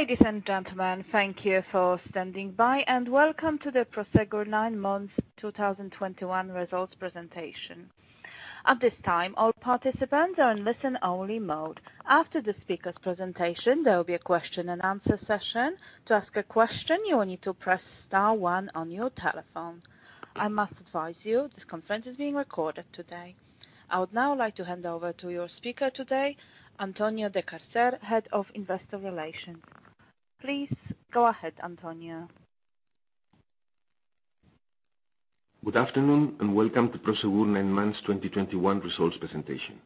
Ladies and gentlemen, thank you for standing by, and welcome to the Prosegur nine months 2021 results presentation. At this time, all participants are in listen-only mode. After the speaker's presentation, there will be a question and answer session. To ask a question, you will need to press star one on your telephone. I must advise you this conference is being recorded today. I would now like to hand over to your speaker today, Antonio de Cárcer, Head of Investor Relations. Please go ahead, Antonio. Good afternoon, and welcome to Prosegur nine months 2021 results presentation.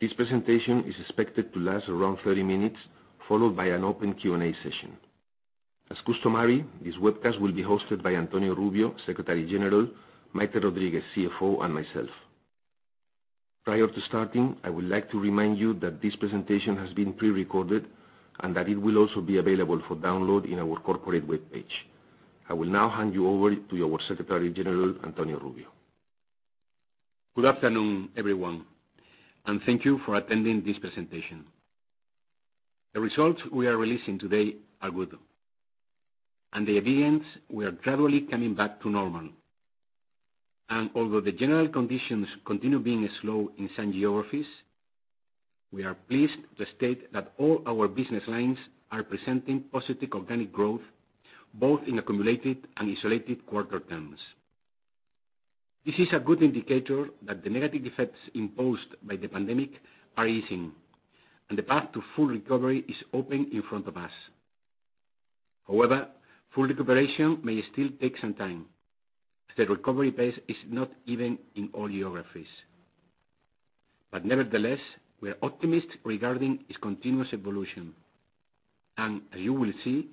This presentation is expected to last around 30 minutes, followed by an open Q&A session. As customary, this webcast will be hosted by Antonio Rubio, Secretary General, Maite Rodríguez, CFO, and myself. Prior to starting, I would like to remind you that this presentation has been prerecorded, and that it will also be available for download in our corporate web page. I will now hand you over to our Secretary General, Antonio Rubio. Good afternoon, everyone, and thank you for attending this presentation. The results we are releasing today are good. The evidence, we are gradually coming back to normal. Although the general conditions continue being slow in some geographies, we are pleased to state that all our business lines are presenting positive organic growth, both in accumulated and isolated quarter terms. This is a good indicator that the negative effects imposed by the pandemic are easing, and the path to full recovery is open in front of us. However, full recuperation may still take some time, as the recovery pace is not even in all geographies. Nevertheless, we are optimistic regarding its continuous evolution. As you will see,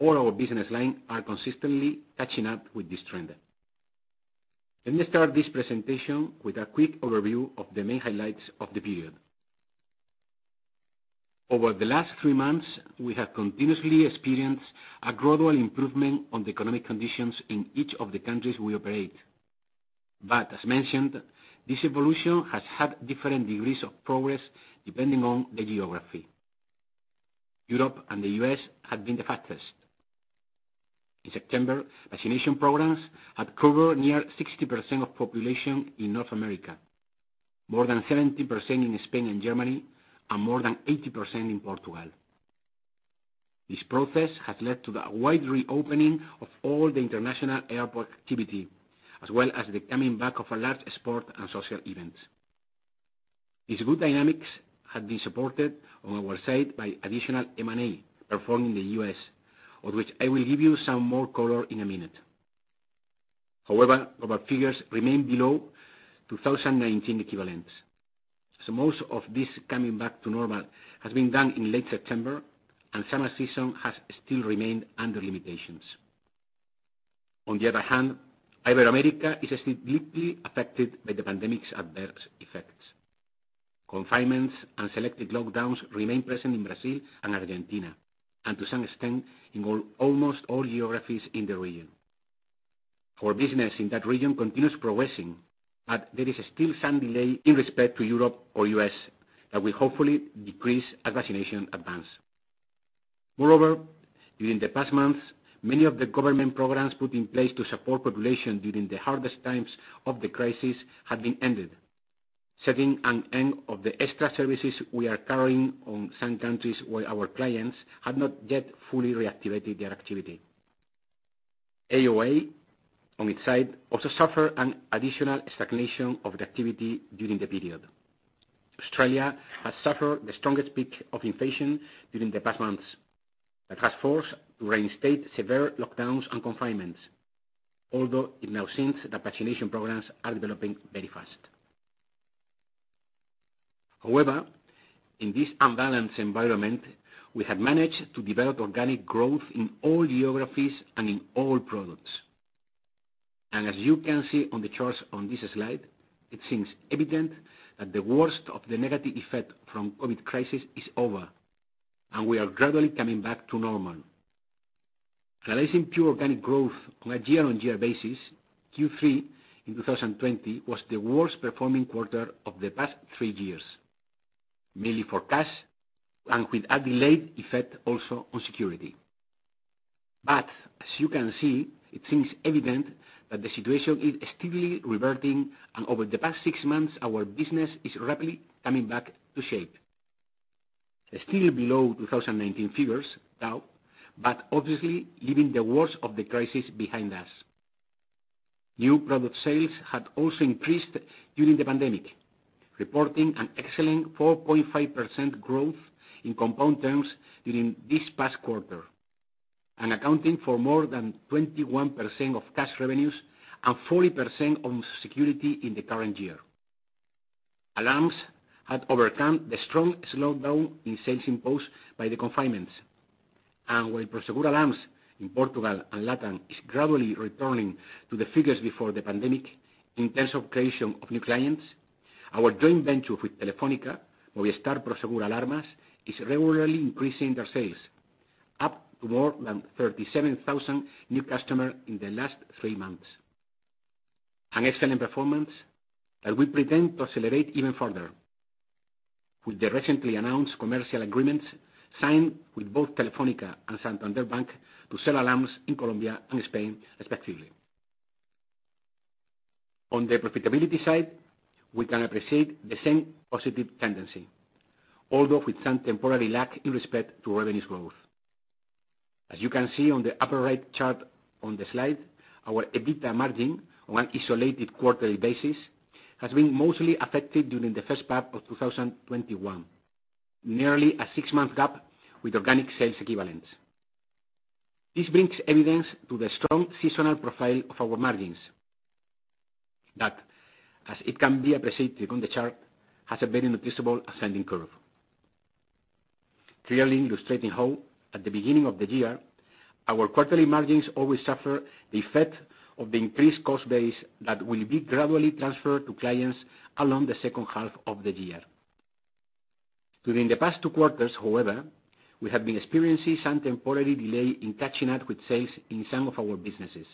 all our business line are consistently catching up with this trend. Let me start this presentation with a quick overview of the main highlights of the period. Over the last three months, we have continuously experienced a gradual improvement on the economic conditions in each of the countries we operate. As mentioned, this evolution has had different degrees of progress depending on the geography. Europe and the U.S. have been the fastest. In September, vaccination programs had covered near 60% of population in North America, more than 70% in Spain and Germany, and more than 80% in Portugal. This process has led to the wide reopening of all the international airport activity, as well as the coming back of large sport and social events. These good dynamics have been supported on our side by additional M&A performed in the U.S., on which I will give you some more color in a minute. However, our figures remain below 2019 equivalents, as most of this coming back to normal has been done in late September, and summer season has still remained under limitations. On the other hand, Ibero-America is still deeply affected by the pandemic's adverse effects. Confinements and selected lockdowns remain present in Brazil and Argentina, and to some extent, in almost all geographies in the region. Our business in that region continues progressing, but there is still some delay in respect to Europe or U.S. that will hopefully decrease as vaccination advance. Moreover, during the past months, many of the government programs put in place to support population during the hardest times of the crisis have been ended, setting an end of the extra services we are carrying on some countries where our clients have not yet fully reactivated their activity. AOA on its side also suffer an additional stagnation of the activity during the period. Australia has suffered the strongest peak of inflation during the past months that has forced to reinstate severe lockdowns and confinements, although it now seems the vaccination programs are developing very fast. However, in this unbalanced environment, we have managed to develop organic growth in all geographies and in all products. As you can see on the charts on this slide, it seems evident that the worst of the negative effect from COVID crisis is over, and we are gradually coming back to normal. Realizing pure organic growth on a year-on-year basis, Q3 in 2020 was the worst performing quarter of the past three years, mainly for cash, and with a delayed effect also on security. As you can see, it seems evident that the situation is steadily reverting, and over the past six months, our business is rapidly coming back to shape. Still below 2019 figures, though, but obviously leaving the worst of the crisis behind us. New product sales have also increased during the pandemic, reporting an excellent 4.5% growth in compound terms during this past quarter, and accounting for more than 21% of cash revenues and 40% on security in the current year. Alarms had overcome the strong slowdown in sales imposed by the confinements. While Prosegur Alarms in Portugal and LATAM is gradually returning to the figures before the pandemic in terms of creation of new clients, our joint venture with Telefónica, Movistar Prosegur Alarmas, is regularly increasing their sales, up to more than 37,000 new customers in the last three months. An excellent performance that we intend to accelerate even further with the recently announced commercial agreements signed with both Telefónica and Banco Santander to sell alarms in Colombia and Spain respectively. On the profitability side, we can appreciate the same positive tendency, although with some temporary lag in respect to revenues growth. As you can see on the upper right chart on the slide, our EBITDA margin on an isolated quarterly basis has been mostly affected during the first part of 2021, nearly a six-month gap with organic sales equivalents. This brings evidence to the strong seasonal profile of our margins that, as it can be appreciated on the chart, has a very noticeable ascending curve, clearly illustrating how at the beginning of the year, our quarterly margins always suffer the effect of the increased cost base that will be gradually transferred to clients along the second half of the year. During the past two quarters, however, we have been experiencing some temporary delay in catching up with sales in some of our businesses.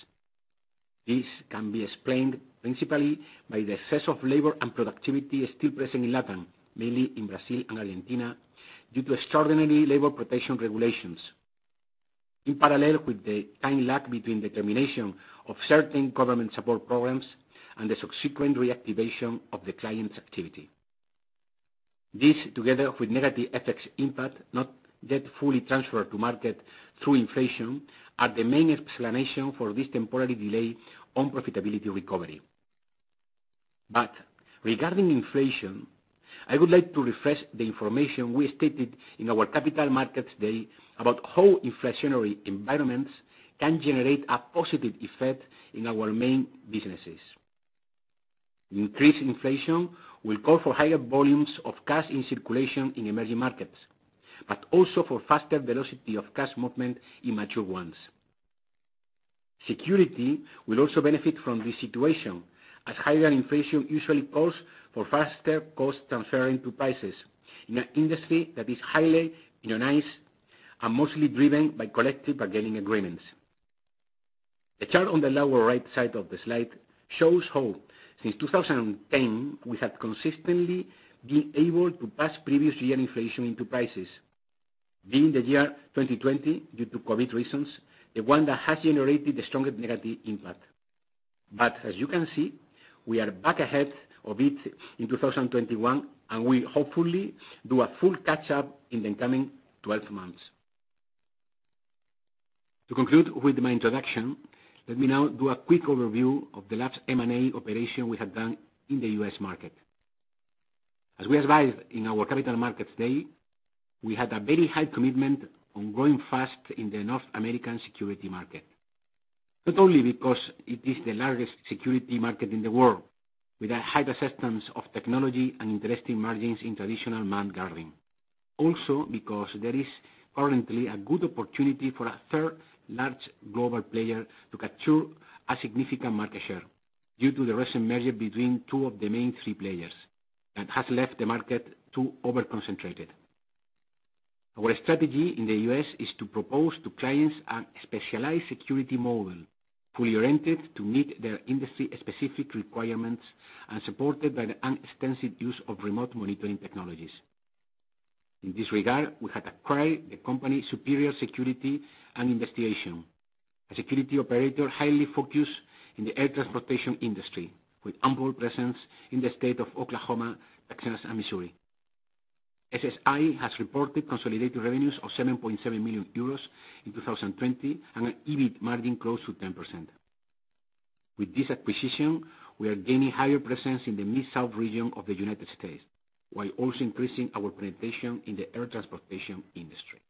This can be explained principally by the excess of labor and productivity still present in LATAM, mainly in Brazil and Argentina, due to extraordinary labor protection regulations, in parallel with the time lag between the termination of certain government support programs and the subsequent reactivation of the client's activity. This, together with negative FX impact not yet fully transferred to market through inflation, are the main explanation for this temporary delay on profitability recovery. Regarding inflation, I would like to refresh the information we stated in our Capital Markets Day about how inflationary environments can generate a positive effect in our main businesses. Increased inflation will call for higher volumes of cash in circulation in emerging markets, but also for faster velocity of cash movement in mature ones. Security will also benefit from this situation, as higher inflation usually calls for faster cost transferring to prices in an industry that is highly unionized and mostly driven by collective bargaining agreements. The chart on the lower right side of the slide shows how since 2010, we have consistently been able to pass previous year inflation into prices, being the year 2020, due to COVID reasons, the one that has generated the strongest negative impact. As you can see, we are back ahead of it in 2021, and we hopefully do a full catch-up in the coming 12 months. To conclude with my introduction, let me now do a quick overview of the last M&A operation we have done in the U.S. market. As we advised in our capital markets day, we had a very high commitment on growing fast in the North American security market. Not only because it is the largest security market in the world, with a high presence of technology and interesting margins in traditional manned guarding. Because there is currently a good opportunity for a third large global player to capture a significant market share due to the recent merger between two of the main three players that has left the market too over-concentrated. Our strategy in the U.S. is to propose to clients a specialized security model fully oriented to meet their industry-specific requirements and supported by the extensive use of remote monitoring technologies. In this regard, we have acquired the company Superior Security and Investigation, a security operator highly focused in the air transportation industry, with ample presence in the state of Oklahoma, Texas, and Missouri. SSI has reported consolidated revenues of 7.7 million euros in 2020 and an EBIT margin close to 10%. With this acquisition, we are gaining higher presence in the Mid-South region of the United States, while also increasing our penetration in the air transportation industry.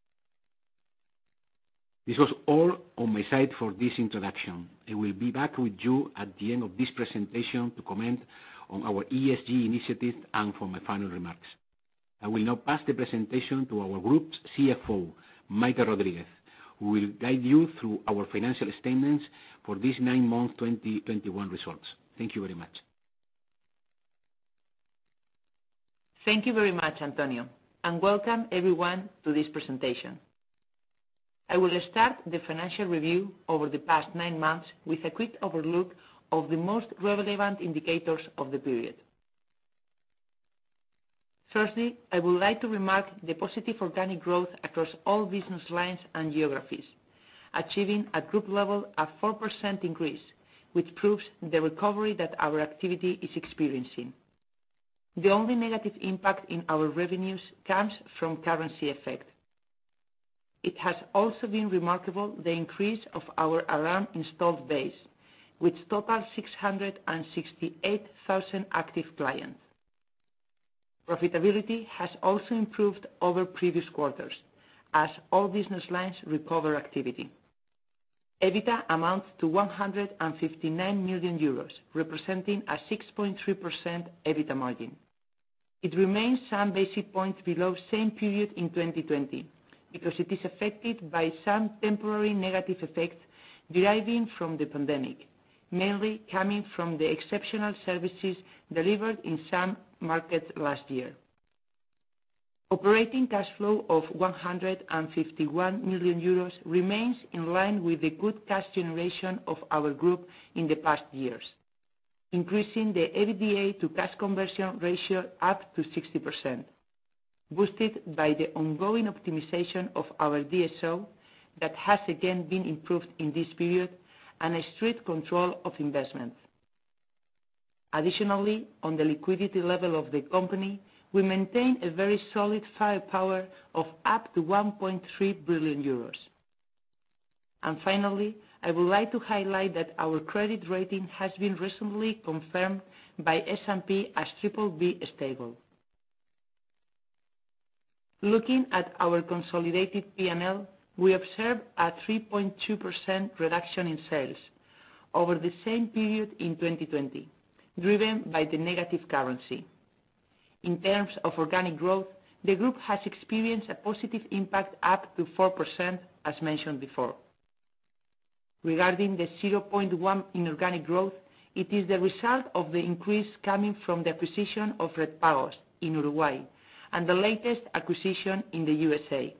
This was all on my side for this introduction. I will be back with you at the end of this presentation to comment on our ESG initiatives and for my final remarks. I will now pass the presentation to our group's CFO, Maite Rodríguez, who will guide you through our financial statements for these nine months 2021 results. Thank you very much. Thank you very much, Antonio, and welcome everyone to this presentation. I will start the financial review over the past nine months with a quick overview of the most relevant indicators of the period. First, I would like to remark the positive organic growth across all business lines and geographies, achieving at group level a 4% increase, which proves the recovery that our activity is experiencing. The only negative impact in our revenues comes from currency effect. It has also been remarkable the increase of our alarm installed base, which totals 668,000 active clients. Profitability has also improved over previous quarters as all business lines recover activity. EBITDA amounts to 159 million euros, representing a 6.3% EBITDA margin. It remains some basis points below the same period in 2020 because it is affected by some temporary negative effects deriving from the pandemic, mainly coming from the exceptional services delivered in some markets last year. Operating cash flow of 151 million euros remains in line with the good cash generation of our group in the past years, increasing the EBITDA to cash conversion ratio up to 60%, boosted by the ongoing optimization of our DSO that has again been improved in this period, and a strict control of investment. Additionally, on the liquidity level of the company, we maintain a very solid firepower of up to 1.3 billion euros. Finally, I would like to highlight that our credit rating has been recently confirmed by S&P as BBB stable. Looking at our consolidated P&L, we observe a 3.2% reduction in sales over the same period in 2020, driven by the negative currency. In terms of organic growth, the group has experienced a positive impact up to 4%, as mentioned before. Regarding the 0.1% inorganic growth, it is the result of the increase coming from the acquisition of Redpagos in Uruguay and the latest acquisition in the USA,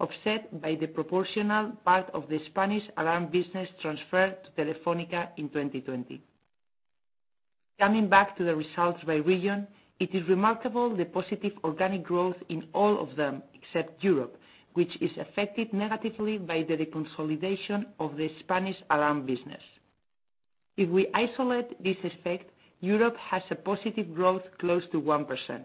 offset by the proportional part of the Spanish alarm business transferred to Telefónica in 2020. Coming back to the results by region, it is remarkable the positive organic growth in all of them, except Europe, which is affected negatively by the reconsolidation of the Spanish alarm business. If we isolate this effect, Europe has a positive growth close to 1%.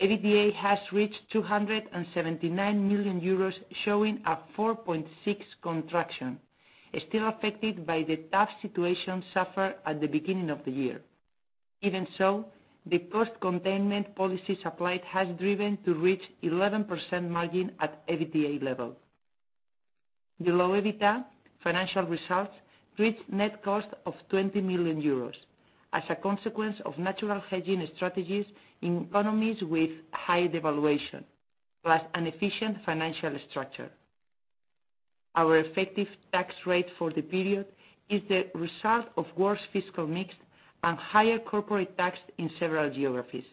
EBITDA has reached 279 million euros, showing a 4.6% contraction, still affected by the tough situation suffered at the beginning of the year. Even so, the cost containment policies applied has driven to reach 11% margin at EBITDA level. The low EBITDA financial results reached net cost of 20 million euros as a consequence of natural hedging strategies in economies with high devaluation, plus an efficient financial structure. Our effective tax rate for the period is the result of worse fiscal mix and higher corporate tax in several geographies.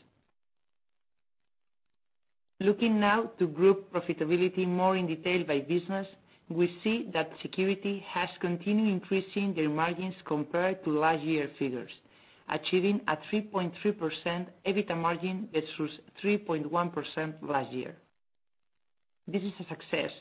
Looking now to group profitability more in detail by business, we see that security has continued increasing their margins compared to last year figures, achieving a 3.3% EBITDA margin versus 3.1% last year. This is a success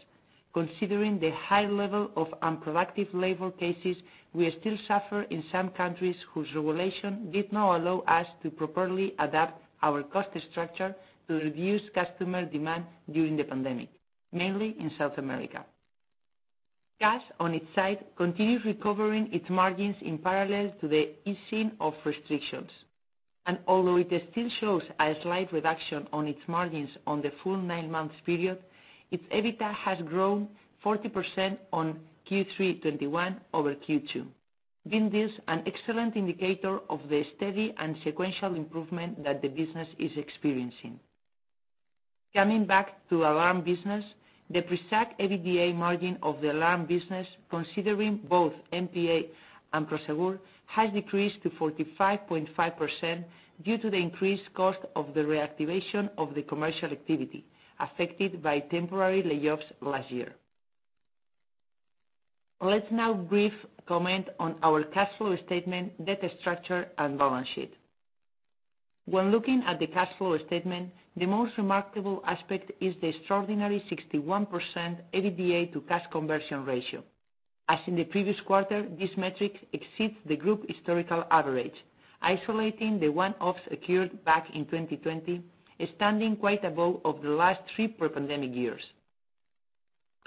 considering the high level of unproductive labor cases we still suffer in some countries whose regulation did not allow us to properly adapt our cost structure to reduce customer demand during the pandemic, mainly in South America. Cash, on its side, continues recovering its margins in parallel to the easing of restrictions. Although it still shows a slight reduction on its margins on the full nine-month period, its EBITDA has grown 40% on Q3 2021 over Q2, being this an excellent indicator of the steady and sequential improvement that the business is experiencing. Coming back to alarm business, the pre-SAC EBITDA margin of the alarm business, considering both MPA and Prosegur, has decreased to 45.5% due to the increased cost of the reactivation of the commercial activity affected by temporary layoffs last year. Let's now briefly comment on our cash flow statement, debt structure, and balance sheet. When looking at the cash flow statement, the most remarkable aspect is the extraordinary 61% EBITDA to cash conversion ratio. As in the previous quarter, this metric exceeds the group historical average, isolating the one-offs occurred back in 2020, standing quite above of the last three pre-pandemic years,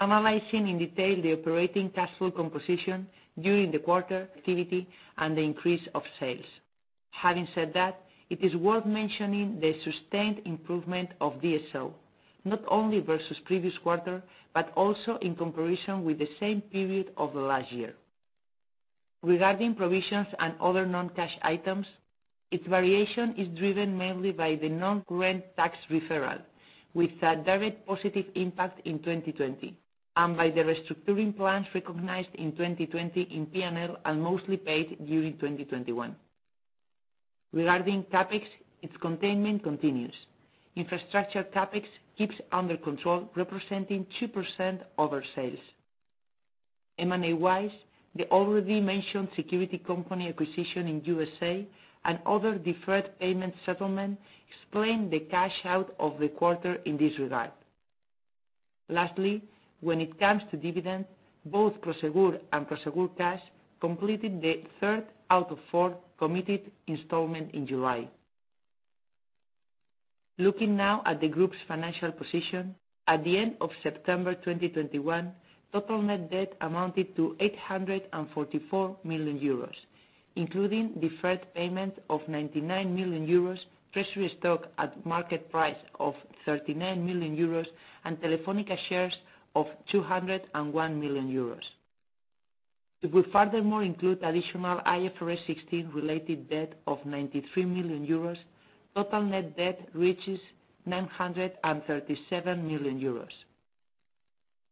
analyzing in detail the operating cash flow composition during the quarter activity and the increase of sales. Having said that, it is worth mentioning the sustained improvement of DSO, not only versus previous quarter, but also in comparison with the same period of last year. Regarding provisions and other non-cash items, its variation is driven mainly by the non-current tax reversal, with a direct positive impact in 2020, and by the restructuring plans recognized in 2020 in P&L and mostly paid during 2021. Regarding CapEx, its containment continues. Infrastructure CapEx keeps under control, representing 2% over sales. M&A-wise, the already mentioned security company acquisition in U.S. and other deferred payment settlement explain the cash out of the quarter in this regard. Lastly, when it comes to dividend, both Prosegur and Prosegur Cash completed the third out of four committed installment in July. Looking now at the group's financial position. At the end of September 2021, total net debt amounted to 844 million euros, including deferred payment of 99 million euros, treasury stock at market price of 39 million euros, and Telefónica shares of 201 million euros. If we furthermore include additional IFRS 16 related debt of 93 million euros, total net debt reaches 937 million euros.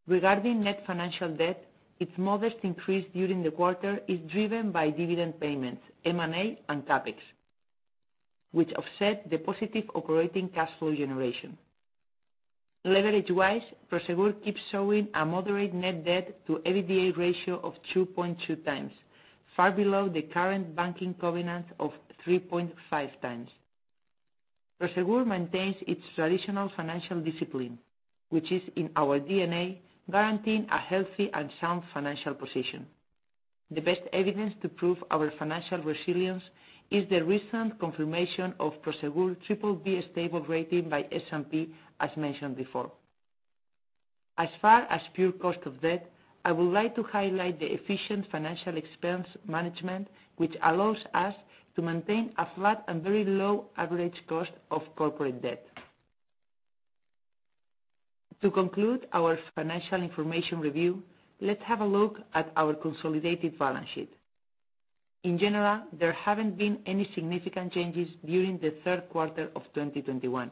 Regarding net financial debt, its modest increase during the quarter is driven by dividend payments, M&A, and CapEx, which offset the positive operating cash flow generation. Leverage-wise, Prosegur keeps showing a moderate net debt to EBITDA ratio of 2.2 times, far below the current banking covenant of 3.5 times. Prosegur maintains its traditional financial discipline, which is in our DNA, guaranteeing a healthy and sound financial position. The best evidence to prove our financial resilience is the recent confirmation of Prosegur's BBB stable rating by S&P, as mentioned before. As far as pure cost of debt, I would like to highlight the efficient financial expense management, which allows us to maintain a flat and very low average cost of corporate debt. To conclude our financial information review, let's have a look at our consolidated balance sheet. In general, there haven't been any significant changes during the third quarter of 2021.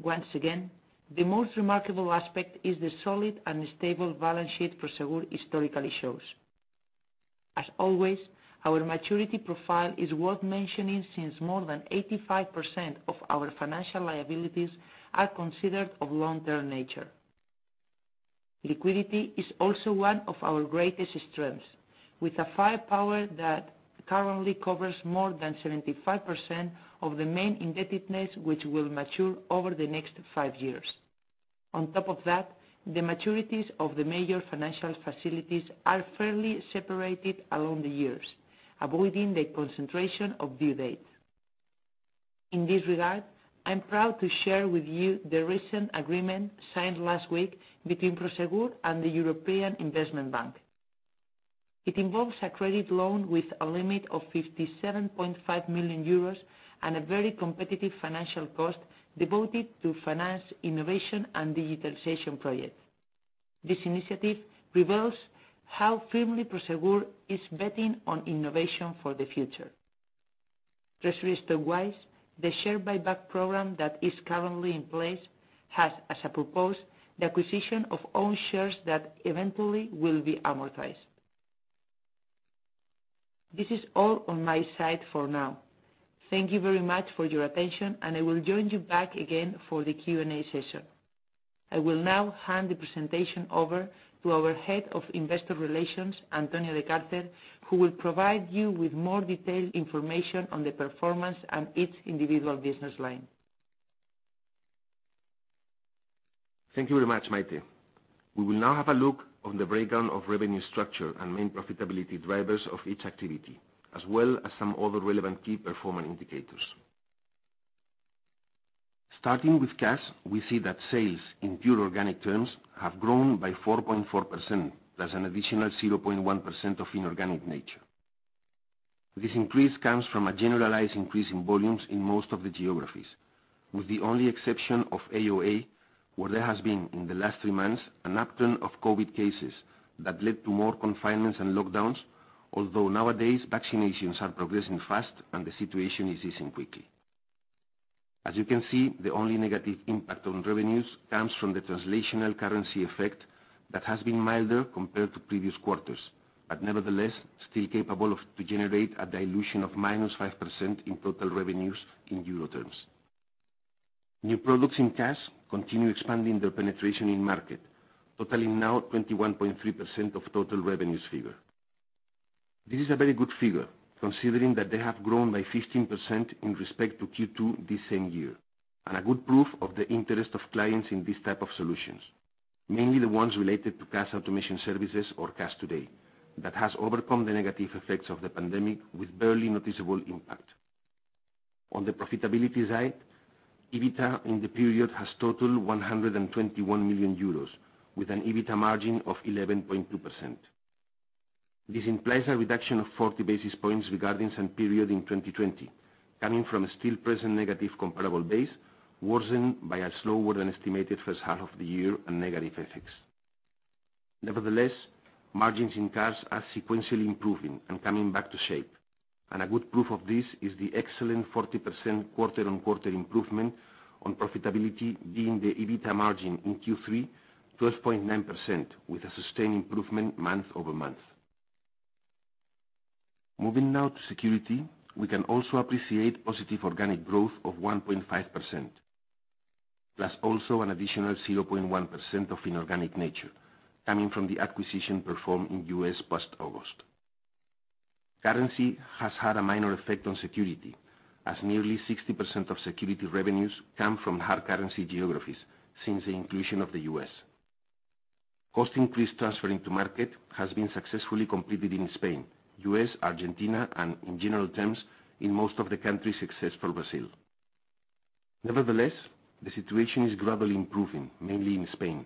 Once again, the most remarkable aspect is the solid and stable balance sheet Prosegur historically shows. As always, our maturity profile is worth mentioning since more than 85% of our financial liabilities are considered of long-term nature. Liquidity is also one of our greatest strengths, with a firepower that currently covers more than 75% of the main indebtedness which will mature over the next 5 years. On top of that, the maturities of the major financial facilities are fairly separated along the years, avoiding the concentration of due date. In this regard, I'm proud to share with you the recent agreement signed last week between Prosegur and the European Investment Bank. It involves a credit loan with a limit of 57.5 million euros and a very competitive financial cost devoted to finance innovation and digitalization projects. This initiative reveals how firmly Prosegur is betting on innovation for the future. Treasury stock-wise, the share buyback program that is currently in place has, as a purpose, the acquisition of own shares that eventually will be amortized. This is all on my side for now. Thank you very much for your attention, and I will join you back again for the Q&A session. I will now hand the presentation over to our Head of Investor Relations, Antonio de Cárcer, who will provide you with more detailed information on the performance and each individual business line. Thank you very much, Maite. We will now have a look on the breakdown of revenue structure and main profitability drivers of each activity, as well as some other relevant key performance indicators. Starting with cash, we see that sales in pure organic terms have grown by 4.4%. That's an additional 0.1% of inorganic nature. This increase comes from a generalized increase in volumes in most of the geographies, with the only exception of Australia, where there has been, in the last three months, an uptick of COVID cases that led to more confinements and lockdowns, although nowadays, vaccinations are progressing fast and the situation is easing quickly. As you can see, the only negative impact on revenues comes from the translational currency effect that has been milder compared to previous quarters, but nevertheless still capable of generating a dilution of -5% in total revenues in euro terms. New products in Cash continue expanding their penetration in market, totaling now 21.3% of total revenues figure. This is a very good figure, considering that they have grown by 15% in respect to Q2 this same year, and a good proof of the interest of clients in these type of solutions, mainly the ones related to cash automation services or Cash Today, that has overcome the negative effects of the pandemic with barely noticeable impact. On the profitability side, EBITDA in the period has totaled 121 million euros, with an EBITDA margin of 11.2%. This implies a reduction of 40 basis points regarding same period in 2020, coming from a still present negative comparable base, worsened by a slower than estimated first half of the year and negative effects. Nevertheless, margins in cash are sequentially improving and coming back to shape. A good proof of this is the excellent 40% quarter-on-quarter improvement on profitability, being the EBITDA margin in Q3 12.9%, with a sustained improvement month-over-month. Moving now to security, we can also appreciate positive organic growth of 1.5%, plus also an additional 0.1% of inorganic nature coming from the acquisition performed in the U.S. past August. Currency has had a minor effect on security, as nearly 60% of security revenues come from hard currency geographies since the inclusion of the U.S. Cost increase transferring to market has been successfully completed in Spain, U.S., Argentina, and in general terms, in most of the countries, except for Brazil. Nevertheless, the situation is gradually improving, mainly in Spain,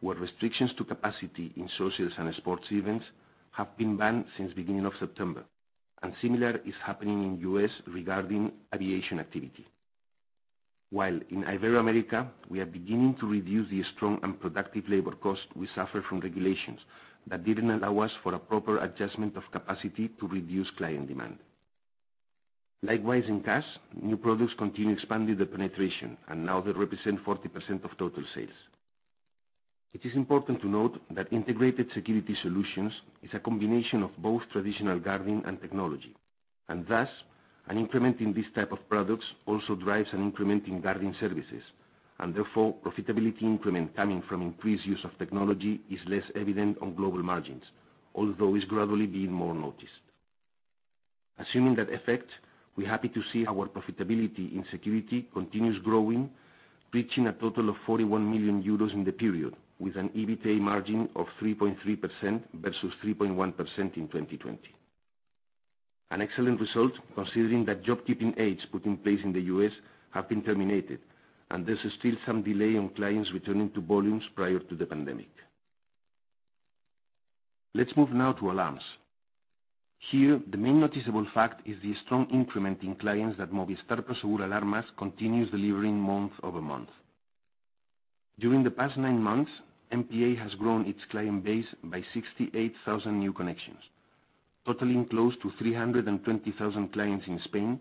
where restrictions to capacity in socials and sports events have been banned since beginning of September. Similar is happening in U.S. regarding aviation activity. While in Iberoamerica, we are beginning to reduce the strong and productive labor cost we suffer from regulations that didn't allow us for a proper adjustment of capacity to reduce client demand. Likewise, in cash, new products continue expanding the penetration, and now they represent 40% of total sales. It is important to note that integrated security solutions is a combination of both traditional guarding and technology. Thus, an increment in these type of products also drives an increment in guarding services, and therefore profitability increment coming from increased use of technology is less evident on global margins, although it's gradually being more noticed. Assuming that effect, we're happy to see our profitability in security continues growing, reaching a total of 41 million euros in the period, with an EBITA margin of 3.3% versus 3.1% in 2020. An excellent result considering that job keeping aids put in place in the U.S. have been terminated, and there's still some delay on clients returning to volumes prior to the pandemic. Let's move now to alarms. Here, the main noticeable fact is the strong increment in clients that Movistar Prosegur Alarmas continues delivering month-over-month. During the past nine months, MPA has grown its client base by 68,000 new connections, totaling close to 320,000 clients in Spain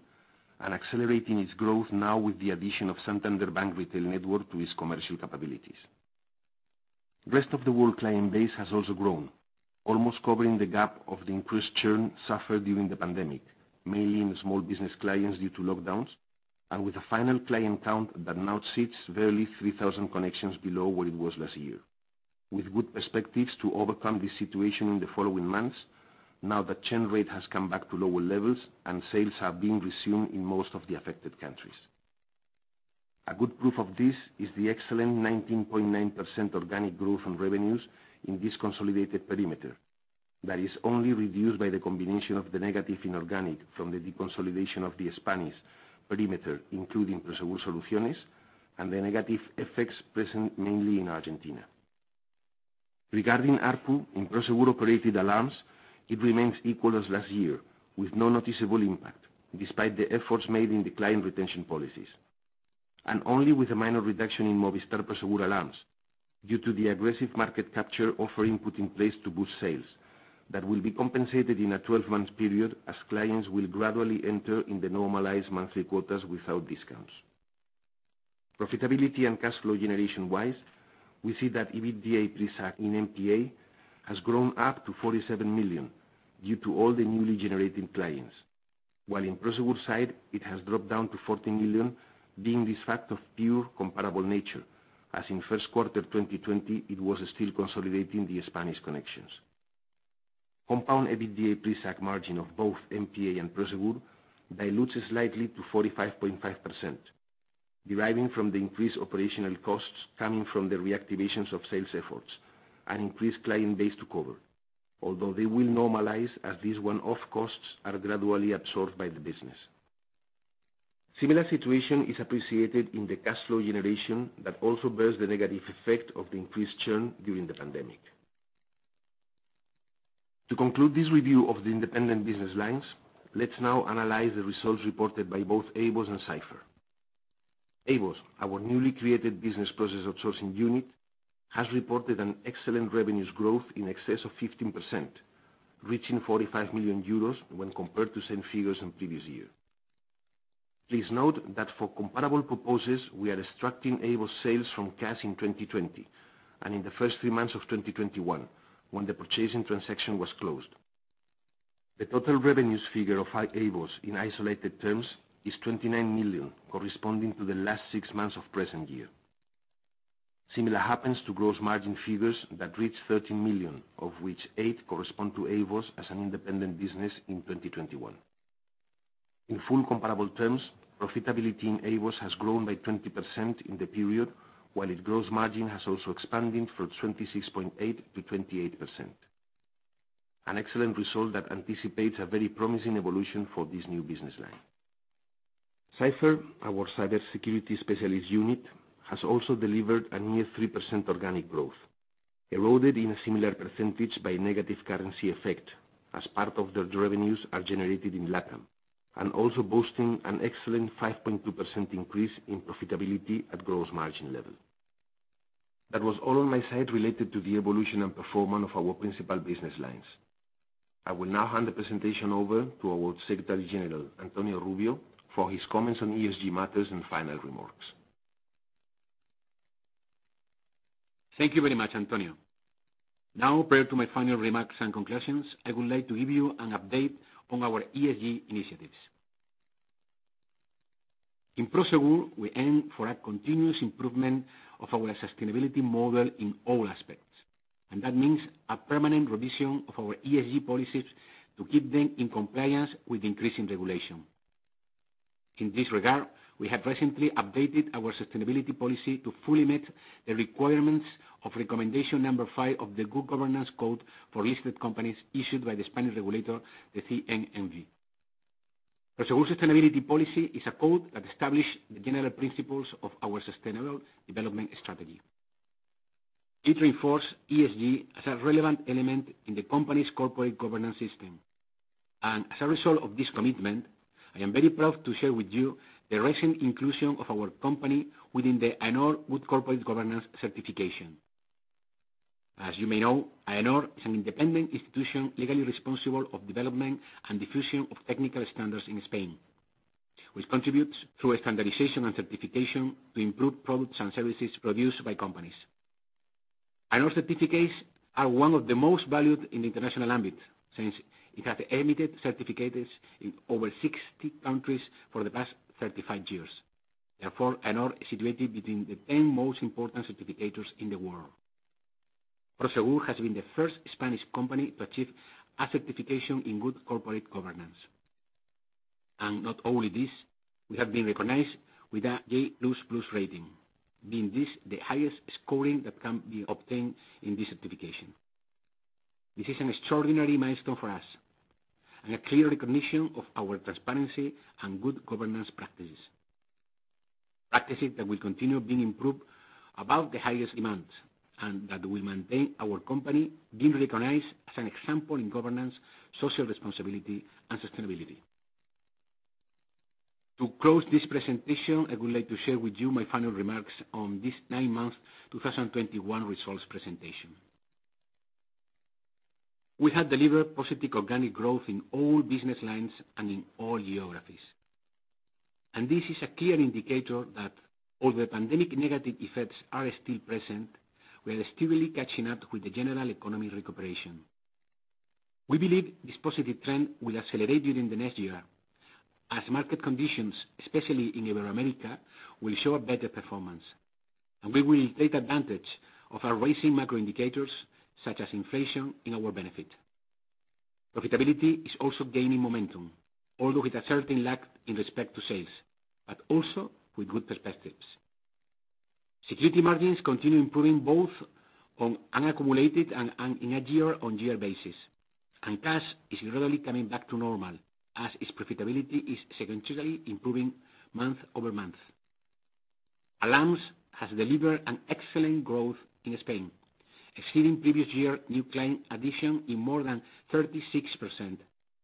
and accelerating its growth now with the addition of Banco Santander retail network to its commercial capabilities. Rest of the world client base has also grown, almost covering the gap of the increased churn suffered during the pandemic, mainly in small business clients due to lockdowns, and with a final client count that now sits barely 3,000 connections below where it was last year. With good perspectives to overcome this situation in the following months now the churn rate has come back to lower levels and sales have been resumed in most of the affected countries. A good proof of this is the excellent 19.9% organic growth in revenues in this consolidated perimeter that is only reduced by the combination of the negative inorganic from the deconsolidation of the Spanish perimeter, including Prosegur Soluciones, and the negative effects present mainly in Argentina. Regarding ARPU, in Prosegur-operated alarms, it remains equal as last year, with no noticeable impact, despite the efforts made in the client retention policies. Only with a minor reduction in Movistar Prosegur Alarmas due to the aggressive market capture offering put in place to boost sales that will be compensated in a 12-month period as clients will gradually enter in the normalized monthly quotas without discounts. Profitability and cash flow generation-wise, we see that EBITDA pre-SAC in MPA has grown up to 47 million due to all the newly generated clients. While in Prosegur's side, it has dropped down to 40 million, being this fact of pure comparable nature, as in Q1 2020, it was still consolidating the Spanish connections. Compound EBITDA pre-SAC margin of both MPA and Prosegur dilutes slightly to 45.5%, deriving from the increased operational costs coming from the reactivations of sales efforts and increased client base to cover, although they will normalize as these one-off costs are gradually absorbed by the business. Similar situation is appreciated in the cash flow generation that also bears the negative effect of the increased churn during the pandemic. To conclude this review of the independent business lines, let's now analyze the results reported by both AVOS and Cipher. AVOS, our newly created business process outsourcing unit, has reported an excellent revenues growth in excess of 15%, reaching 45 million euros when compared to same figures in previous year. Please note that for comparable purposes, we are extracting AVOS sales from Cash in 2020 and in the first three months of 2021, when the purchasing transaction was closed. The total revenues figure of AVOS in isolated terms is 29 million, corresponding to the last six months of present year. Similar happens to gross margin figures that reach 13 million, of which 8 million correspond to AVOS as an independent business in 2021. In full comparable terms, profitability in AVOS has grown by 20% in the period, while its gross margin has also expanded from 26.8% to 28%. An excellent result that anticipates a very promising evolution for this new business line. Cipher, our cybersecurity specialist unit, has also delivered a near 3% organic growth, eroded in a similar percentage by negative currency effect as part of their revenues are generated in LATAM, and also boasting an excellent 5.2% increase in profitability at gross margin level. That was all on my side related to the evolution and performance of our principal business lines. I will now hand the presentation over to our Secretary General, Antonio Rubio, for his comments on ESG matters and final remarks. Thank you very much, Antonio. Now, prior to my final remarks and conclusions, I would like to give you an update on our ESG initiatives. In Prosegur, we aim for a continuous improvement of our sustainability model in all aspects, and that means a permanent revision of our ESG policies to keep them in compliance with increasing regulation. In this regard, we have recently updated our sustainability policy to fully meet the requirements of recommendation number five of the Good Governance Code for listed companies issued by the Spanish regulator, the CNMV. Prosegur's sustainability policy is a code that established the general principles of our sustainable development strategy. It reinforced ESG as a relevant element in the company's corporate governance system. As a result of this commitment, I am very proud to share with you the recent inclusion of our company within the AENOR Good Corporate Governance certification. As you may know, AENOR is an independent institution legally responsible of development and diffusion of technical standards in Spain, which contributes through a standardization and certification to improve products and services produced by companies. AENOR certificates are one of the most valued in the international ambit, since it has issued certificates in over 60 countries for the past 35 years. Therefore, AENOR is situated between the 10 most important certificate issuers in the world. Prosegur has been the first Spanish company to achieve a certification in good corporate governance. Not only this, we have been recognized with a A++ rating, being this the highest scoring that can be obtained in this certification. This is an extraordinary milestone for us and a clear recognition of our transparency and good governance practices. Practices that will continue being improved above the highest demand, and that will maintain our company being recognized as an example in governance, social responsibility, and sustainability. To close this presentation, I would like to share with you my final remarks on this nine-month 2021 results presentation. We have delivered positive organic growth in all business lines and in all geographies. This is a clear indicator that although pandemic negative effects are still present, we are steadily catching up with the general economy recuperation. We believe this positive trend will accelerate during the next year as market conditions, especially in Iberoamérica, will show a better performance. We will take advantage of our rising macro indicators, such as inflation, in our benefit. Profitability is also gaining momentum, although with a certain lag in respect to sales, but also with good perspectives. Security margins continue improving both on and accumulated and in a year-on-year basis. Cash is gradually coming back to normal as its profitability is sequentially improving month-over-month. Alarms has delivered an excellent growth in Spain, exceeding previous year new client addition in more than 36%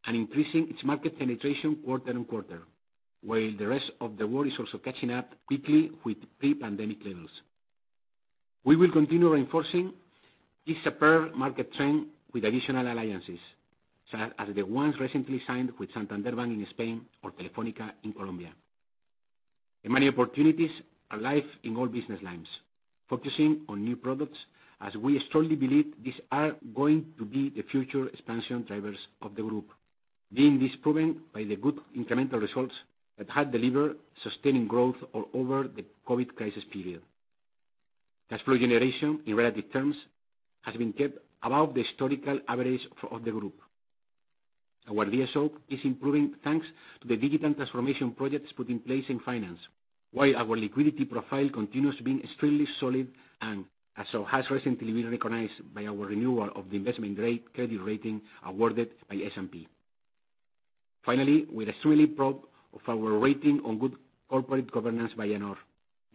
and increasing its market penetration quarter-on-quarter, while the rest of the world is also catching up quickly with pre-pandemic levels. We will continue reinforcing this upward market trend with additional alliances, such as the ones recently signed with Banco Santander in Spain or Telefónica in Colombia. Many opportunities are live in all business lines, focusing on new products as we strongly believe these are going to be the future expansion drivers of the group, being this proven by the good incremental results that have delivered sustaining growth all over the COVID crisis period. Cash flow generation in relative terms has been kept above the historical average for all the group. Our DSO is improving thanks to the digital transformation projects put in place in finance, while our liquidity profile continues to be extremely solid, and as so has recently been recognized by our renewal of the investment-grade credit rating awarded by S&P. Finally, we're extremely proud of our rating on Good Corporate Governance by AENOR.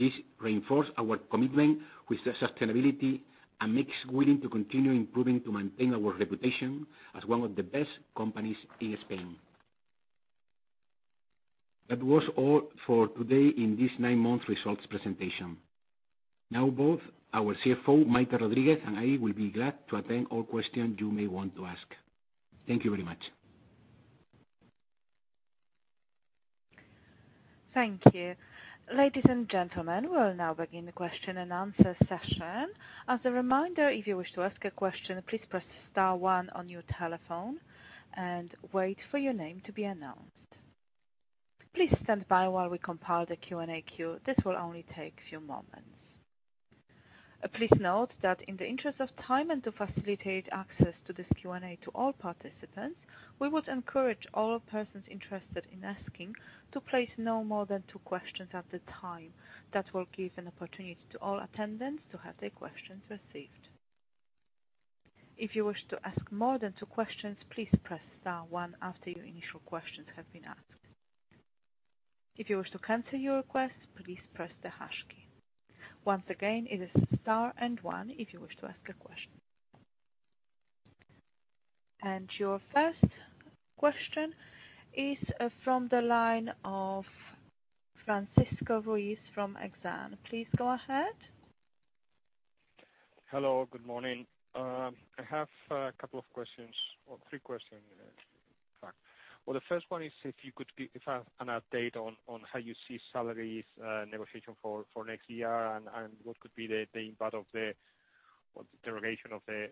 This reinforce our commitment with the sustainability and makes willing to continue improving to maintain our reputation as one of the best companies in Spain. That was all for today in this nine-month results presentation. Now, both our CFO, Maite Rodríguez, and I will be glad to attend all questions you may want to ask. Thank you very much. Thank you. Ladies and gentlemen, we'll now begin the question and answer session. As a reminder, if you wish to ask a question, please press star one on your telephone and wait for your name to be announced. Please stand by while we compile the Q&A queue. This will only take few moments. Please note that in the interest of time and to facilitate access to this Q&A to all participants, we would encourage all persons interested in asking to place no more than two questions at a time. That will give an opportunity to all attendants to have their questions received. If you wish to ask more than two questions, please press star one after your initial questions have been asked. If you wish to cancel your request, please press the hash key. Once again, it is star and one if you wish to ask a question. Your first question is, from the line of Francisco Ruiz from Exane. Please go ahead. Hello, good morning. I have a couple of questions or 3 questions, in fact. Well, the first one is if you could give an update on how you see salaries negotiation for next year and what could be the impact of the derogation of the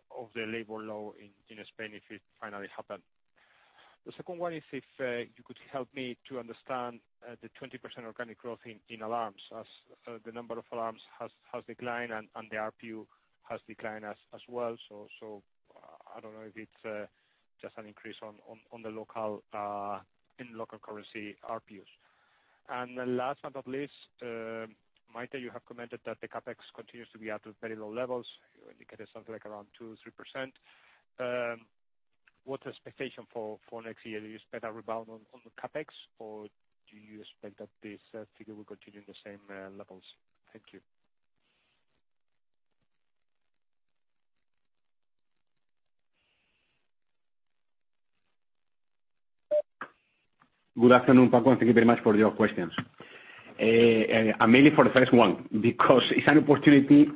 labor law in Spain if it finally happen. The second one is if you could help me to understand the 20% organic growth in alarms as the number of alarms has declined and the ARPU has declined as well. I don't know if it's just an increase on the local in local currency RPUs. The last but not least, Maite, you have commented that the CapEx continues to be at very low levels. You indicated something like around 2%-3%. What expectation for next year? Do you expect a rebound on CapEx, or do you expect that this figure will continue in the same levels? Thank you. Good afternoon, Paco. Thank you very much for your questions. I'm mainly for the first one because it's an opportunity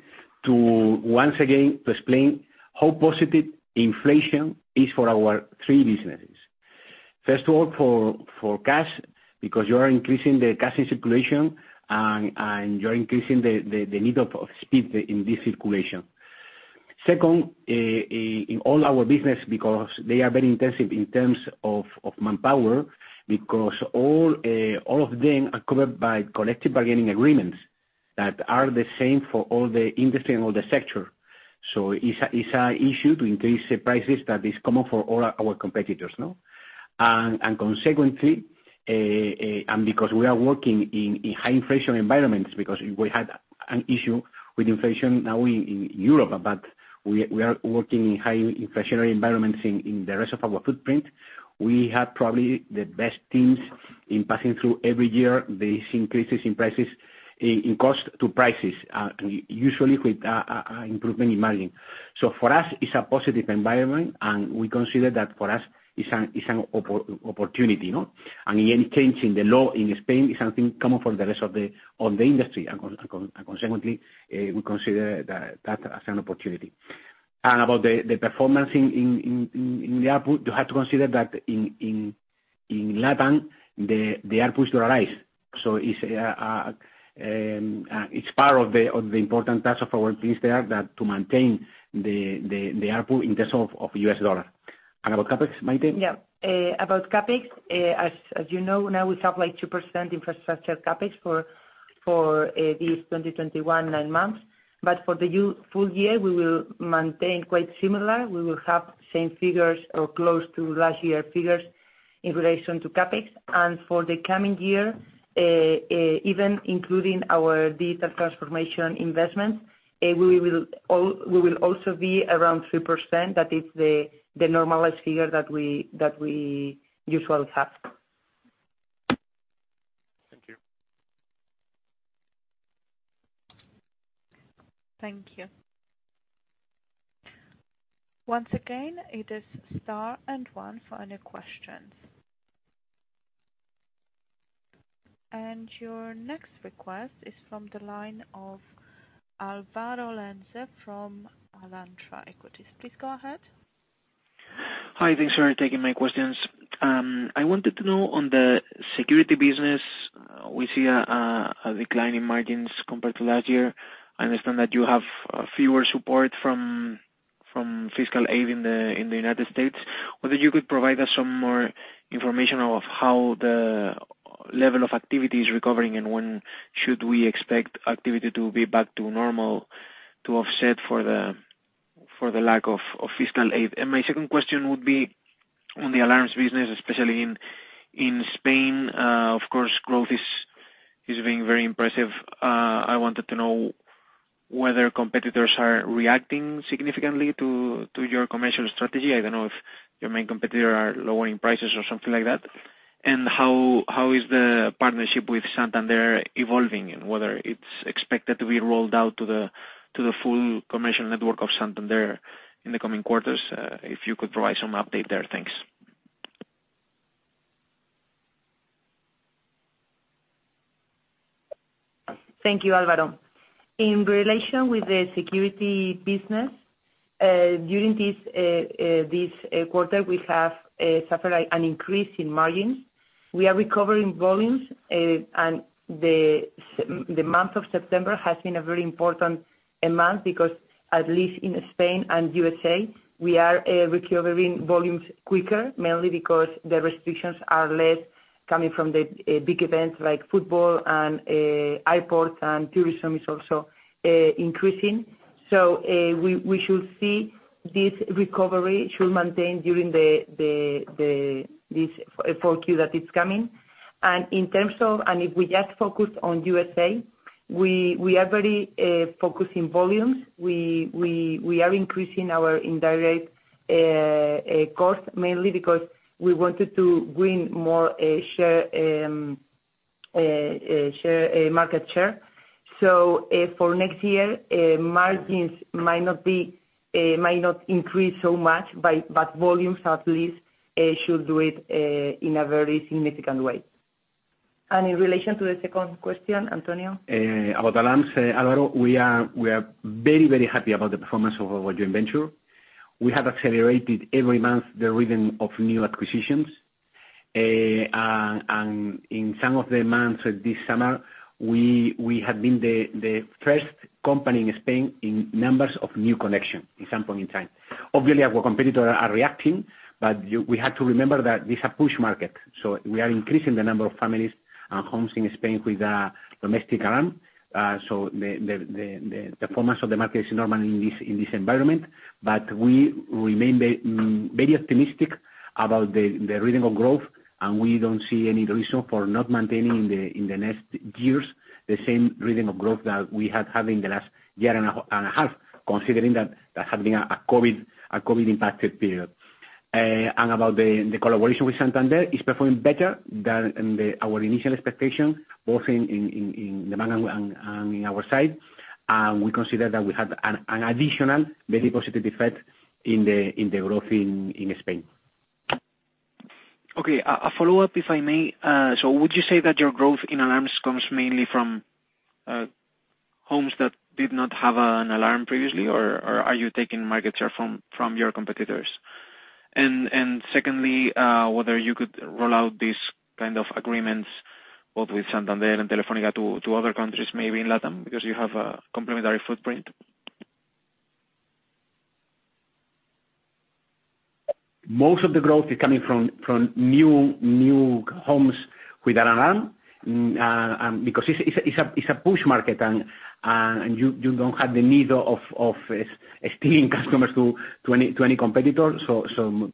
to once again explain how positive inflation is for our three businesses. First of all, for cash, because you are increasing the cash circulation and you're increasing the need of speed in this circulation. Second, in all our business because they are very intensive in terms of manpower because all of them are covered by collective bargaining agreements that are the same for all the industry and all the sector. It's an issue to increase the prices that is common for all our competitors, no? Because we are working in high inflation environments, because we had an issue with inflation now in Europe, but we are working in high inflationary environments in the rest of our footprint. We have probably the best teams in passing through every year these increases in prices in cost to prices, usually with an improvement in margin. For us, it's a positive environment, and we consider that for us it's an opportunity, you know? Any change in the law in Spain is something common for the rest of the industry, and consequently, we consider that as an opportunity. About the performance in the output, you have to consider that in LATAM, the outputs dollarize. It's part of the important parts of our business there that to maintain the output in terms of US dollar. About CapEx, Maite? About CapEx, as you know, now we have like 2% infrastructure CapEx for this 2021 nine months. For the full year, we will maintain quite similar. We will have same figures or close to last year figures in relation to CapEx. For the coming year, even including our data transformation investment, we will also be around 3%. That is the normalized figure that we usually have. Thank you. Once again, it is star and one for any questions. Your next request is from the line of Álvaro Lenze from Alantra Equities. Please go ahead. Hi. Thanks for taking my questions. I wanted to know on the security business, we see a decline in margins compared to last year. I understand that you have less support from fiscal aid in the United States. Could you provide us some more information of how the level of activity is recovering and when should we expect activity to be back to normal to offset the lack of fiscal aid? My second question would be on the alarms business, especially in Spain. Of course, growth is being very impressive. I wanted to know whether competitors are reacting significantly to your commercial strategy. I don't know if your main competitor are lowering prices or something like that. How is the partnership with Santander evolving, and whether it's expected to be rolled out to the full commercial network of Santander in the coming quarters? If you could provide some update there. Thanks. Thank you, Álvaro. In relation with the security business, during this quarter, we have suffered an increase in margins. We are recovering volumes, and the month of September has been a very important month because at least in Spain and USA, we are recovering volumes quicker, mainly because the restrictions are less coming from the big events like football and airport and tourism is also increasing. We should see this recovery should maintain during this 4Q that is coming. If we just focus on USA, we are very focused in volumes. We are increasing our indirect cost mainly because we wanted to win more market share. For next year, margins might not increase so much, but volumes at least should do it in a very significant way. In relation to the second question, Antonio? About alarms, Álvaro, we are very happy about the performance of our joint venture. We have accelerated every month the rhythm of new acquisitions. In some of the months this summer, we have been the first company in Spain in numbers of new connection in some point in time. Obviously, our competitor are reacting, but we have to remember that it's a push market, so we are increasing the number of families and homes in Spain with a domestic alarm. The performance of the market is normal in this environment. We remain very optimistic about the rhythm of growth, and we don't see any reason for not maintaining in the next years the same rhythm of growth that we have had in the last year and a half, considering that that has been a COVID impacted period. About the collaboration with Santander, it's performing better than our initial expectation, both in the bank and in our side. We consider that we have an additional very positive effect in the growth in Spain. Okay. A follow-up, if I may. So would you say that your growth in alarms comes mainly from homes that did not have an alarm previously or are you taking market share from your competitors? Secondly, whether you could roll out these kind of agreements both with Santander and Telefónica to other countries, maybe in LatAm, because you have a complementary footprint. Most of the growth is coming from new homes with an alarm. Because it's a push market and you don't have the need of stealing customers to any competitors. When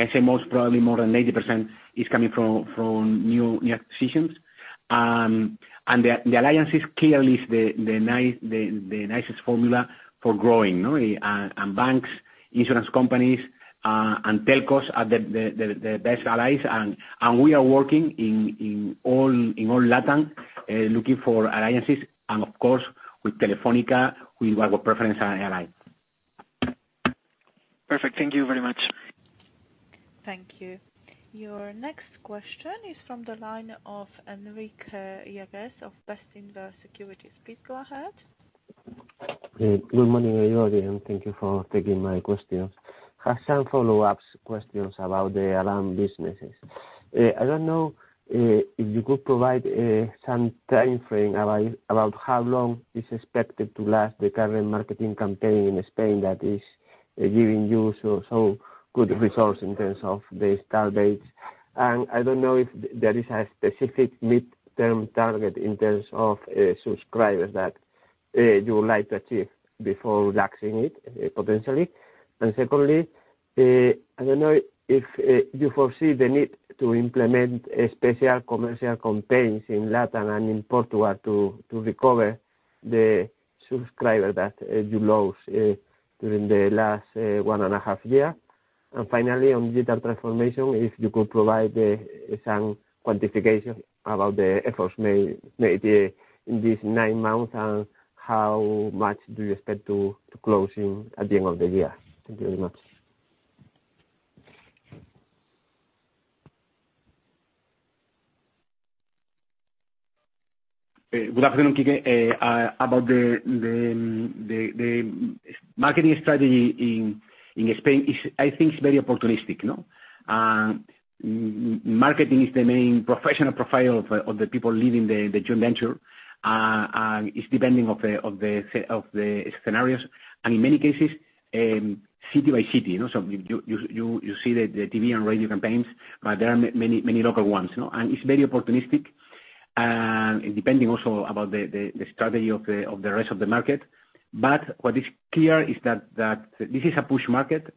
I say most, probably more than 80% is coming from new acquisitions. The alliance is clearly the nicest formula for growing, you know. Banks, insurance companies, and telcos are the best allies and we are working in all LatAm looking for alliances and of course with Telefónica who are our preference and ally. Perfect. Thank you very much. Thank you. Your next question is from the line of Enrique Yáguez of Bestinver Securities. Please go ahead. Good morning, Jordi, and thank you for taking my questions. I have some follow-up questions about the alarm businesses. I don't know if you could provide some timeframe about how long is expected to last the current marketing campaign in Spain that is giving you so good results in terms of the targets. I don't know if there is a specific midterm target in terms of subscribers that you would like to achieve before relaxing it, potentially. Secondly, I don't know if you foresee the need to implement special commercial campaigns in LATAM and in Portugal to recover the subscriber that you lose during the last one and a half year. Finally, on digital transformation, if you could provide some quantification about the efforts made in this nine months, and how much do you expect to close in at the end of the year? Thank you very much. Good afternoon, Enrique. About the marketing strategy in Spain is, I think, very opportunistic, you know. Marketing is the main professional profile of the people leading the joint venture. It's depending of the scenarios, and in many cases, city by city, you know. You see the TV and radio campaigns, but there are many local ones, you know, and it's very opportunistic. Depending also about the strategy of the rest of the market. What is clear is that this is a push market.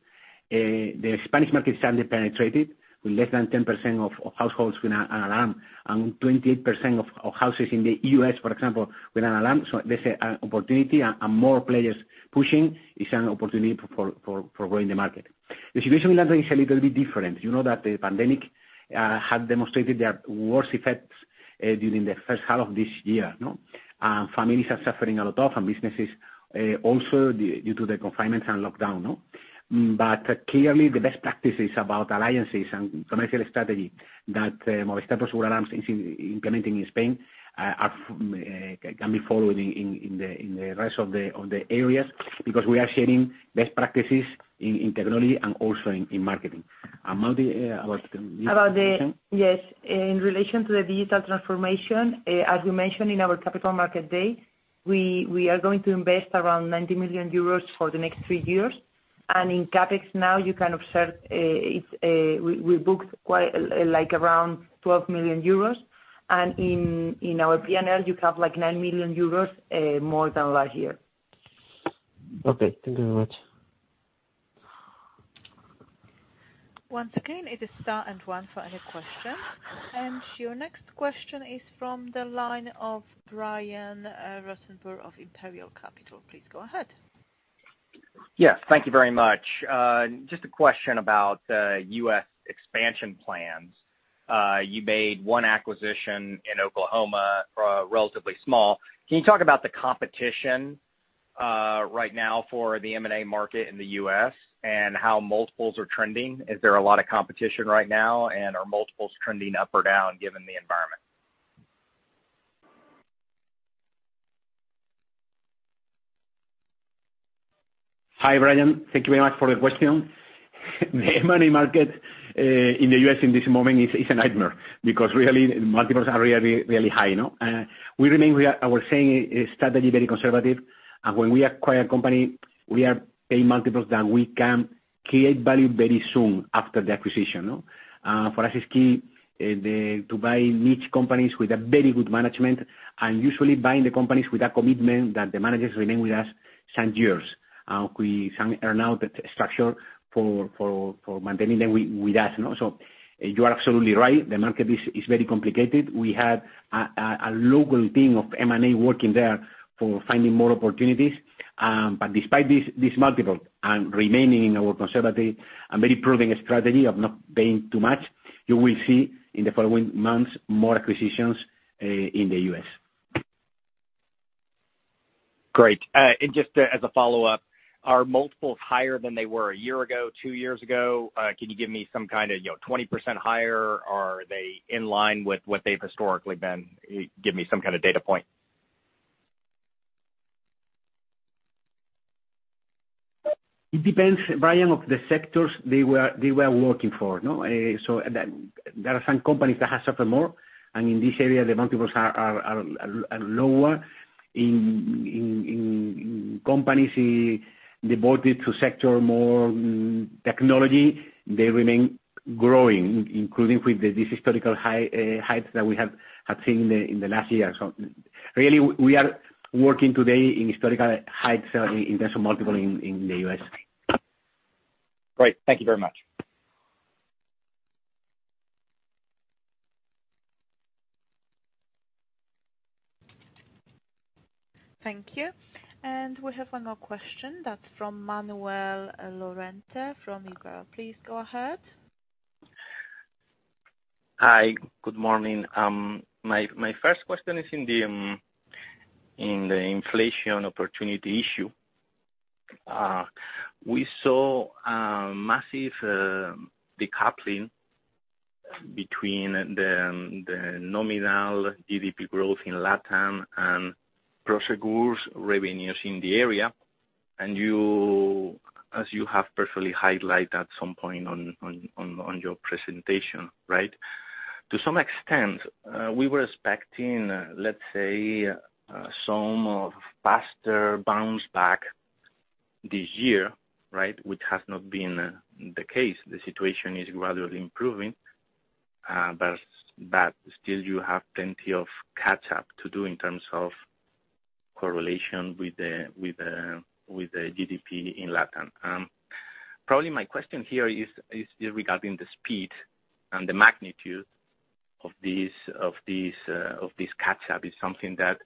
The Spanish market is under-penetrated with less than 10% of households with an alarm, and 28% of houses in the U.S., for example, with an alarm. There's an opportunity and more players pushing is an opportunity for growing the market. The situation in LATAM is a little bit different. You know that the pandemic had demonstrated their worst effects during the first half of this year, you know. Families are suffering a lot, and businesses also due to the confinement and lockdown. But clearly the best practices about alliances and commercial strategy that Movistar Prosegur Alarmas is implementing in Spain are can be followed in the rest of the areas because we are sharing best practices in technology and also in marketing. Maite, about the digital transformation? Yes. In relation to the digital transformation, as we mentioned in our capital markets day, we are going to invest around 90 million euros for the next three years. In CapEx now you can observe, we booked quite like around 12 million euros. In our P&L you have like 9 million euros more than last year. Okay. Thank you very much. Once again it is star and one for other question and your next question is from the line of Brian Ruttenbur of Imperial Capital. Please go ahead. Yes. Thank you very much. Just a question about U.S. expansion plans. You made one acquisition in Oklahoma, relatively small. Can you talk about the competition right now for the M&A market in the U.S. and how multiples are trending? Is there a lot of competition right now and are multiples trending up or down given the environment? Hi, Brian. Thank you very much for the question. The M&A market in the U.S. in this moment is a nightmare because really multiples are really high, you know. We remain with our same strategy, very conservative. When we acquire company, we are paying multiples that we can create value very soon after the acquisition, you know. For us it's key to buy niche companies with a very good management, and usually buying the companies with a commitment that the managers remain with us some years. We sign earn-out structure for maintaining them with us, you know. You are absolutely right. The market is very complicated. We have a local team of M&A working there for finding more opportunities. Despite this multiple and remaining in our conservative and very proven strategy of not paying too much, you will see in the following months more acquisitions in the U.S. Great. Just as a follow-up, are multiples higher than they were a year ago, two years ago? Can you give me some kind of, you know, 20% higher? Are they in line with what they've historically been? Give me some kind of data point. It depends, Brian, on the sectors they were working for, no? That there are some companies that have suffered more, and in this area, the multiples are lower. In companies devoted to sector more technology, they remain growing, including with the statistical high heights that we have seen in the last year or so. Really, we are working today in historical heights in terms of multiple in the U.S. Great. Thank you very much. Thank you. We have one more question that's from Manuel Lorente from Santander. Please go ahead. Hi. Good morning. My first question is in the inflation opportunity issue. We saw a massive decoupling between the nominal GDP growth in LATAM and Prosegur's revenues in the area, and you, as you have personally highlighted at some point on your presentation, right? To some extent, we were expecting, let's say, some faster bounce back this year, right? Which has not been the case. The situation is gradually improving, but still you have plenty of catch up to do in terms of correlation with the GDP in LATAM. Probably my question here is regarding the speed and the magnitude of this catch up. Is it something that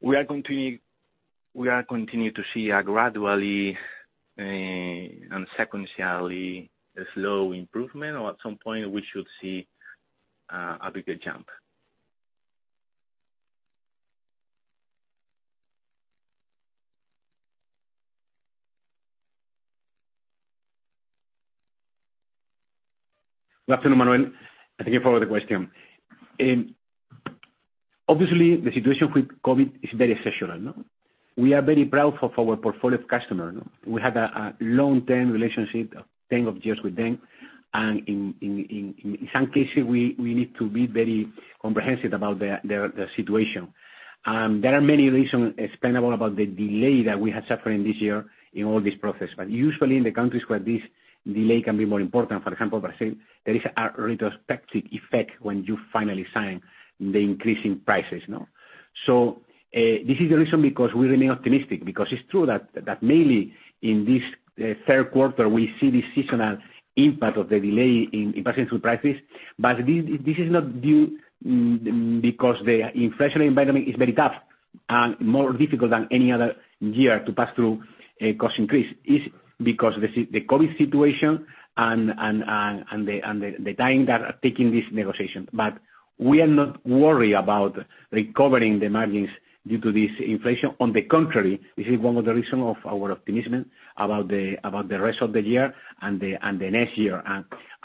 we continue to see gradually and sequentially a slow improvement or at some point we should see a bigger jump? Good afternoon, Manuel. Thank you for the question. Obviously the situation with COVID is very exceptional, no? We are very proud of our portfolio of customer. We have a long-term relationship of ten of years with them, and in some cases, we need to be very comprehensive about their situation. There are many reasons explainable about the delay that we have suffered this year in all this process. Usually in the countries where this delay can be more important, for example, Brazil, there is a retrospective effect when you finally sign the increase in prices, you know? This is the reason because we remain optimistic because it's true that mainly in this third quarter, we see the seasonal impact of the delay in passing through prices. This is not due because the inflation environment is very tough and more difficult than any other year to pass through a cost increase. It's because the COVID situation and the time that are taking this negotiation. We are not worried about recovering the margins due to this inflation. On the contrary, this is one of the reason of our optimism about the rest of the year and the next year.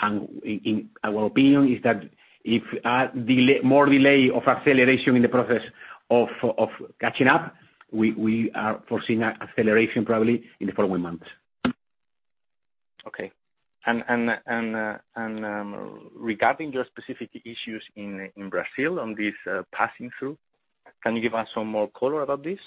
In our opinion is that if delay, more delay of acceleration in the process of catching up, we are foreseen acceleration probably in the following months. Okay. Regarding your specific issues in Brazil on this passing through, can you give us some more color about this?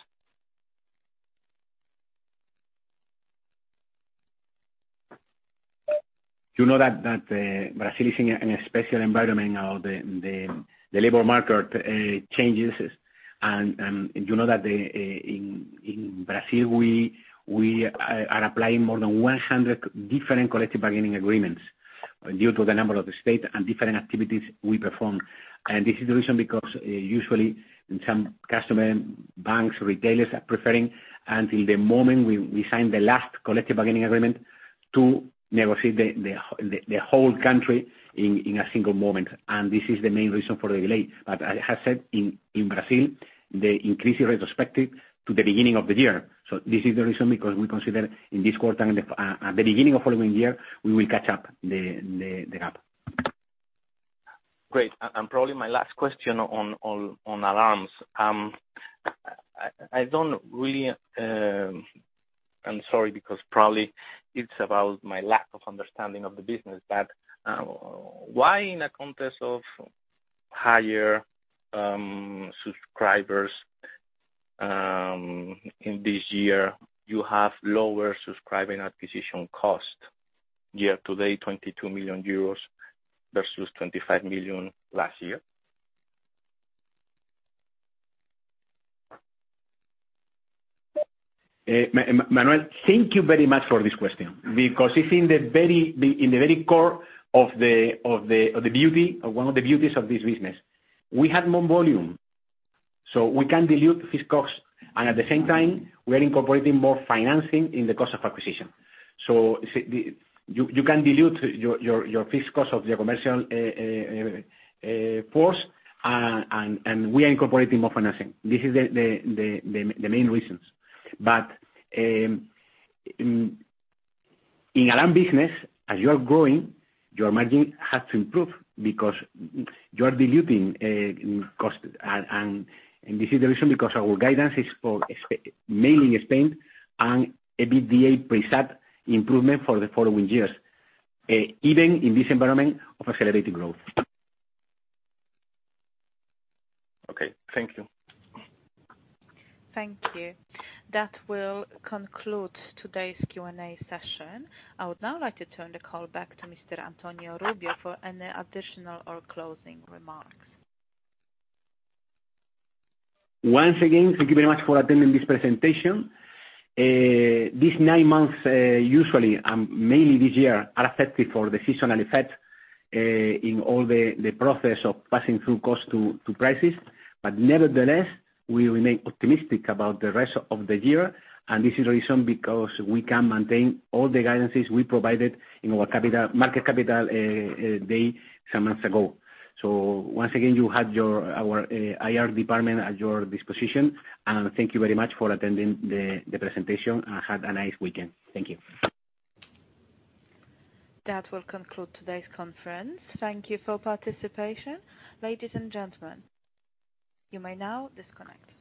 You know that Brazil is in a special environment. Now the labor market changes and you know that in Brazil we are applying more than 100 different collective bargaining agreements due to the number of states and different activities we perform. This is the reason because usually in some customer banks, retailers are preferring until the moment we sign the last collective bargaining agreement to negotiate the whole country in a single moment. This is the main reason for the delay. As I have said in Brazil, the increase is retrospective to the beginning of the year. This is the reason because we consider in this quarter and at the beginning of the following year, we will catch up the gap. Great. Probably my last question on alarms. I don't really understand. I'm sorry, because probably it's about my lack of understanding of the business. Why in a context of higher subscribers in this year, you have lower subscriber acquisition cost year to date, 22 million euros versus 25 million last year? Manuel, thank you very much for this question because it's in the very core of the beauty or one of the beauties of this business. We have more volume, so we can dilute this cost, and at the same time, we are incorporating more financing in the cost of acquisition. You can dilute your fixed cost of your commercial force, and we are incorporating more financing. This is the main reasons. In alarm business, as you are growing, your margin has to improve because you are diluting cost. This is the reason because our guidance is for mainly in Spain and a EBITDA pre-SAC improvement for the following years, even in this environment of accelerated growth. Okay. Thank you. Thank you. That will conclude today's Q&A session. I would now like to turn the call back to Mr. Antonio Rubio for any additional or closing remarks. Once again, thank you very much for attending this presentation. This nine months, usually, mainly this year, are affected for the seasonal effect, in all the process of passing through cost to prices. But nevertheless, we remain optimistic about the rest of the year. This is the reason because we can maintain all the guidances we provided in our Capital Markets Day some months ago. Once again, you have our IR department at your disposition. Thank you very much for attending the presentation and have a nice weekend. Thank you. That will conclude today's conference. Thank you for participation. Ladies and gentlemen, you may now disconnect.